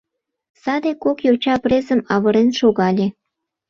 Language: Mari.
Саде кок йоча презым авырен шогале.